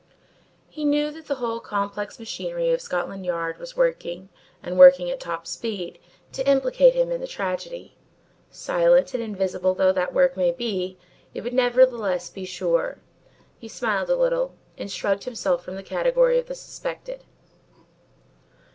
He knew that the whole complex machinery of Scotland Yard was working, and working at top speed, to implicate him in the tragedy. Silent and invisible though that work may be, it would nevertheless be sure. He smiled a little, and shrugged himself from the category of the suspected.